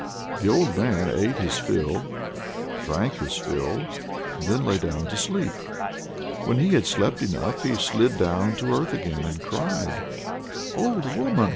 The old man ate his fill, drank his fill, and then lay down to sleep. When he had slept enough he slid down to earth again, and cried: "Old woman!